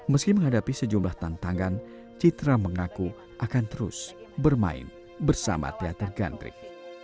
meski menghadapi sejumlah tantangan citra mengaku akan terus bermain bersama teater gandrik